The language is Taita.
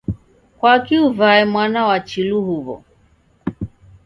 Kwaki uvae mwana wa chilu huwo?